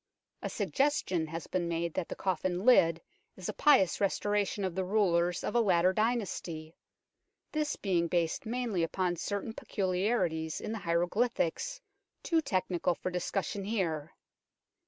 A suggestion has been made that the coffin lid is a pious restoration of the rulers of a later dynasty, this being based mainly upon certain peculiarities in the hieroglyphics, too technical for discussion here.